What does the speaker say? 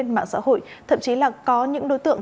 đăng lên mạng xã hội thậm chí là có những đối tượng